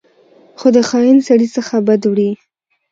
خو د خاین سړي څخه بد وړي.